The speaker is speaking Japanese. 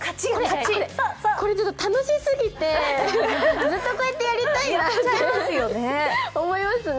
これ、ちょっと楽しすぎて、ずっとこうやってやりたいなって思いますね。